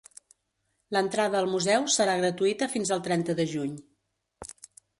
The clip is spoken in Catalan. L'entrada al museu serà gratuïta fins al trenta de juny.